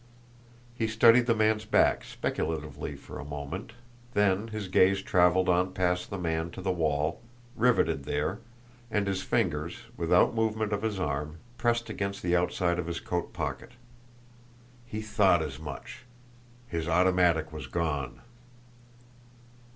He studied the man's back speculatively for a moment, then his gaze travelled on past the man to the wall, riveted there, and his fingers, without movement of his arm, pressed against the outside of his coat pocket. He thought as much! His automatic was gone!